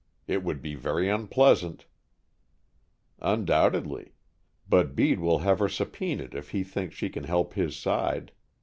It would be very unpleasant " "Undoubtedly. But Bede will have her subp[oe]naed if he thinks she can help his side.